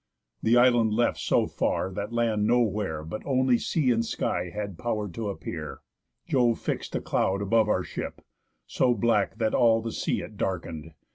The island left so far that land nowhere But only sea and sky had pow'r t' appear, Jove fix'd a cloud above our ship, so black That all the sea it darken'd.